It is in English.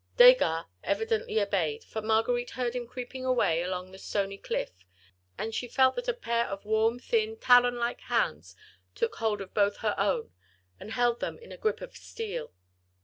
Desgas evidently obeyed, for Marguerite heard him creeping away along the stony cliff, then she felt that a pair of warm, thin, talon like hands took hold of both her own, and held them in a grip of steel.